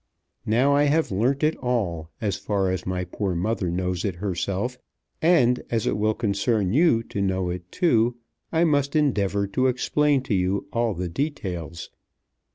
Now I have learnt it all as far as my poor mother knows it herself; and as it will concern you to know it too, I must endeavour to explain to you all the details.